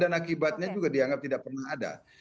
dan akibatnya juga dianggap tidak pernah ada